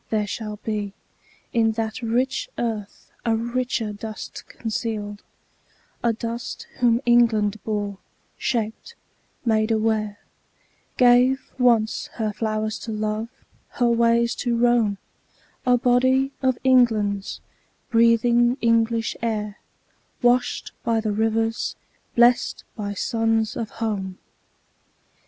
There shall be In that rich earth a richer dust concealed; A dust whom England bore, shaped, made aware, Gave, once, her flowers to love, her ways to roam, A body of England's, breathing English air, Washed by the rivers, blest by suns of home.